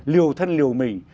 liều thân liều mình